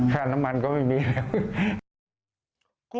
ค่าน้ำมันก็ไม่มีแล้ว